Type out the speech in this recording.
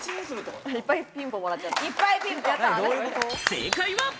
正解は。